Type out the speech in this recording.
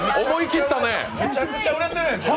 思い切ったね。